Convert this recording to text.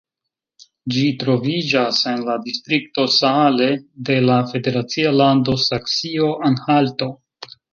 Ĝi troviĝas en la distrikto Saale de la federacia lando Saksio-Anhalto.